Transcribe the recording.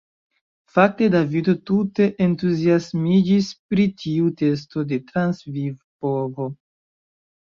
Fakte Davido tute entuziasmiĝis pri tiu testo de transvivpovo.